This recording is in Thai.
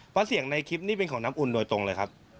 เพราะเสียงในคลิปนี้เป็นของน้ำอุ่นโดยตรงเลยครับ